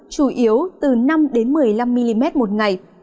chủ yếu từ năm một mươi năm mm một ngày